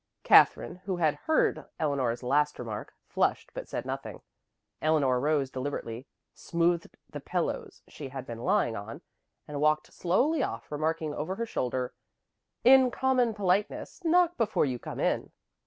Katherine, who had heard Eleanor's last remark, flushed but said nothing. Eleanor rose deliberately, smoothed the pillows she had been lying on, and walked slowly off, remarking over her shoulder, "In common politeness, knock before you come in."